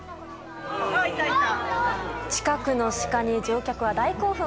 近くのシカに乗客は大興奮。